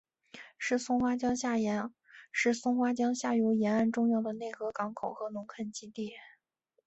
是松花江下游沿岸重要的内河港口和农垦基地。